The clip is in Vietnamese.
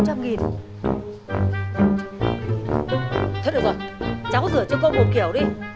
thôi được rồi cháu rửa cho cô một kiểu đi